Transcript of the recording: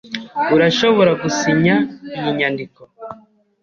Urashobora gusinya iyi nyandiko?